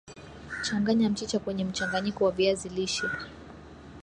Changanya mchicha kwenye mchanganyiko wa viazi lishe